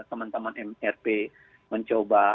teman teman mrp mencoba